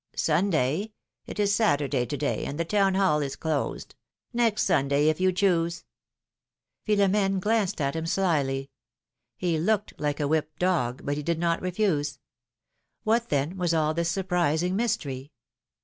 "Sunday? It is Saturday to day, and the Town Hall is closed ; next Sunday, if you choose." Philom^ne glanced at him slyly. He looked like a whipped dog, but he did not refuse. What, then, was all this surprising mystery